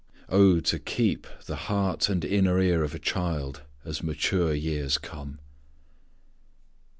O, to keep the heart and inner ear of a child as mature years come!